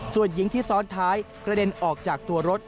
ส่วนหญิงที่ซ้อนท้ายกระเด็นออกจากตัวรถ